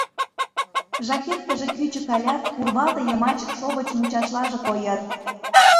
Жакеткыже кӱчык ылят, урвалте йымач шовыч мучашлаже койыт.